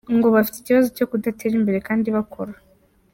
Ngo bafite ikibazo cyo kudatera imbere kandi bakora.